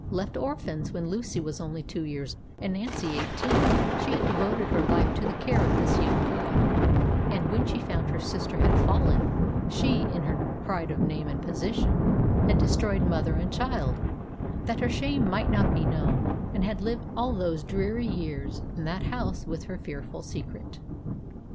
Left orphans when Lucy was only two years and Nancy eighteen, she had devoted her life to the care of this young girl, and when she found her sister had fallen, she, in her pride of name and position, had destroyed mother and child, that her shame might not be known, and had lived all those dreary years in that house with her fearful secret.